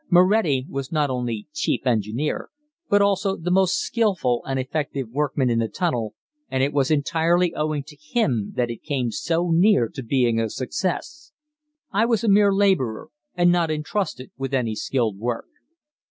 Moretti was not only chief engineer, but also the most skilful and effective workman in the tunnel, and it was entirely owing to him that it came so near to being a success. I was a mere laborer, and not entrusted with any skilled work.